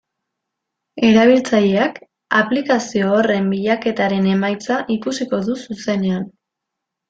Erabiltzaileak aplikazio horren bilaketaren emaitza ikusiko du zuzenean.